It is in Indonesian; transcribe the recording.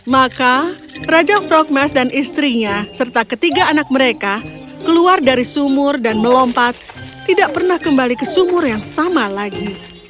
maka raja frogmas dan istrinya serta ketiga anak mereka keluar dari sumur dan melompat tidak pernah kembali ke sumur yang sama lagi